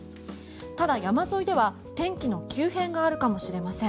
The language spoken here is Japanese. ただ、山沿いでは天気の急変があるかもしれません。